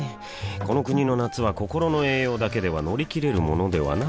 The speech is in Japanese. この国の夏は心の栄養だけでは乗り切れるものではない